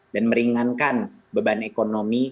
dan meringankan beban ekonomi